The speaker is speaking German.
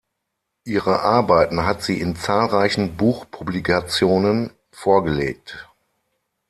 Ihre Arbeiten hat sie in zahlreichen Buchpublikationen vorgelegt.